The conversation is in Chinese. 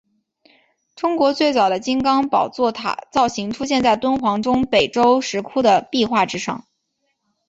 中国最早的金刚宝座塔造型出现在敦煌中北周石窟的壁画之上。